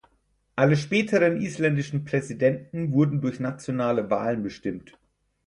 Alle späteren isländischen Präsidenten wurden durch nationale Wahlen bestimmt.